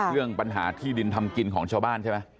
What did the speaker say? เรื่องปัญหาที่ดินทำกินของชาวบ้านใช่ไหม